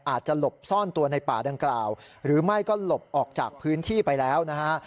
อาจจะหลบซ่อนตัวในป่าดังกล่าวหรือไม่ก็หลบออกจากพื้นที่ไปแล้วนะฮะ